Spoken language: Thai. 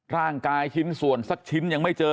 ร่างกายชิ้นส่วนสักชิ้นยังไม่เจอ